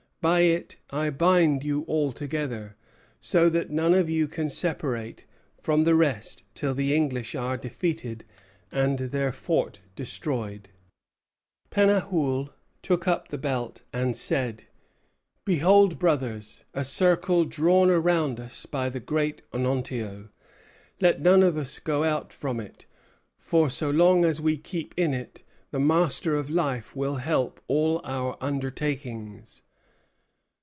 By it I bind you all together, so that none of you can separate from the rest till the English are defeated and their fort destroyed." Pennahouel took up the belt and said: "Behold, brothers, a circle drawn around us by the great Onontio. Let none of us go out from it; for so long as we keep in it, the Master of Life will help all our undertakings."